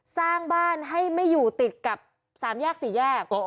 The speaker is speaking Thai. สร้างบ้านให้ไม่อยู่ติดกับสามแยกสี่แยก